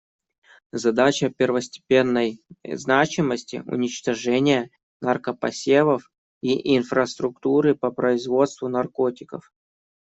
Задача первостепенной значимости — уничтожение наркопосевов и инфраструктуры по производству наркотиков.